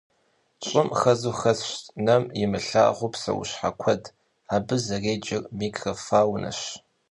ЩӀым хэзу хэсщ нэм имылъагъу псэущхьэ куэд, абы зэреджэр микрофаунэщ.